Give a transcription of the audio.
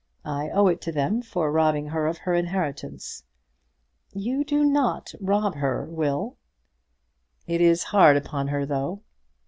I owe it to them for robbing her of her inheritance." "You do not rob her, Will." "It is hard upon her, though."